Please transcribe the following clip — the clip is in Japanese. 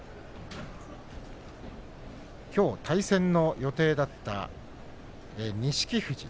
きょう対戦の予定だった錦富士